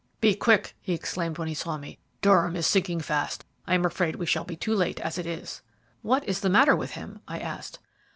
"Be quick," he exclaimed, when he saw me. "Durham is sinking fast; I am afraid we shall be too late as it is." "What is the matter with him?" I asked.